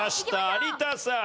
有田さん。